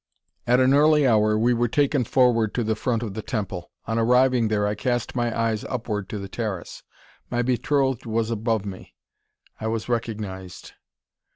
At an early hour we were taken forward to the front of the temple. On arriving there, I cast my eyes upward to the terrace. My betrothed was above me; I was recognised.